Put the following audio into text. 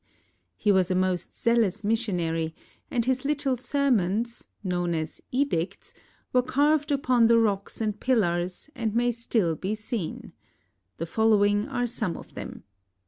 He was a most zealous missionary, and his little sermons, known as "Edicts," were carved upon the rocks and pillars, and may still be seen. The following are some of them.